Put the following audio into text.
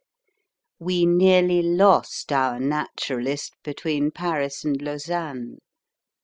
We nearly lost our Naturalist between Paris and Lausanne.